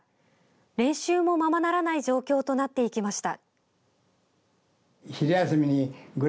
練習も、ままならない状況となっていきました。